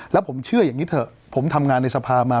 แล้วผมเชื่ออย่างนี้เถอะผมทำงานในสภามา